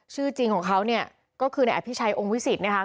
ชื่อจริงของเขาเนี่ยก็คือในอภิชัยองค์วิสิตนะคะ